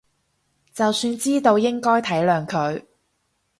就算知道應該體諒佢